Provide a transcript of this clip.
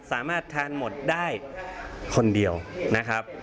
สามารถทานหมดได้คนเดียวนะครับ